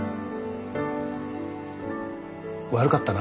悪かったな。